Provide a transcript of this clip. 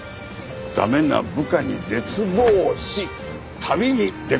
駄目な部下に絶望し旅に出かけるところだ。